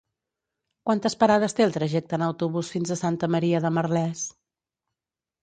Quantes parades té el trajecte en autobús fins a Santa Maria de Merlès?